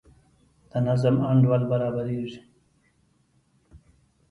د نظم انډول برابریږي.